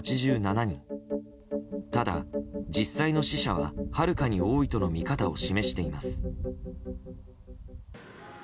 ただ、実際の死者ははるかに多いとの見方を示しています。